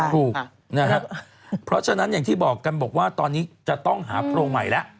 ถูกนะครับเพราะฉะนั้นอย่างที่บอกกันบอกว่าตอนนี้จะต้องหาโพรงใหม่แล้ว